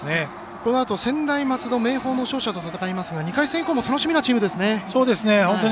このあと専大松戸、明豊の勝者と戦いますが２回戦以降も楽しみなチームですね。